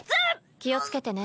気をつけてね。